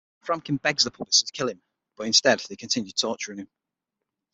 Framkin begs the puppets to kill him, but instead, they continue torturing him.